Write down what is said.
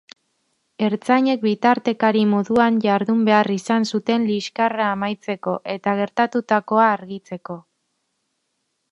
Ertzainek bitartekari moduan jardun behar izan zuten liskarra amaitzeko eta geratutakoa argitzeko.